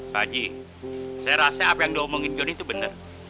pak haji saya rasa apa yang dia omongin johnny itu benar